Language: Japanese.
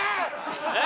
えっ？